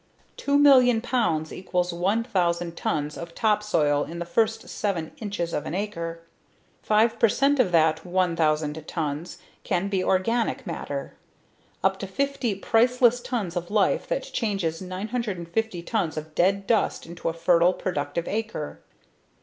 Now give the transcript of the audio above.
Two million pounds equals one thousand tons of topsoil in the first seven inches of an acre. Five percent of that one thousand tons can be organic matter, up to fifty priceless tons of life that changes 950 tons of dead dust into a fertile, productive acre.